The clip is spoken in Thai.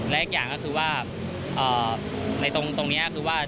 และอีกอย่างก็คือว่าในตรงนี้คือว่า